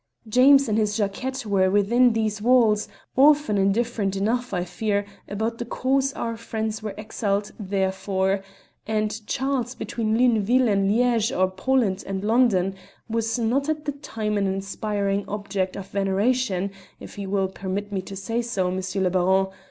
James and his Jacquette were within these walls, often indifferent enough, I fear, about the cause our friends were exiled there for; and Charles, between Luneville and Liege or Poland and London, was not at the time an inspiring object of veneration, if you will permit me to says so, M. le Baron.